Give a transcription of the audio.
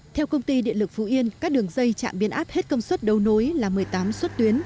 theo công ty điện lực phú yên các đường dây trạm biến áp hết công suất đấu nối là một mươi tám suất tuyến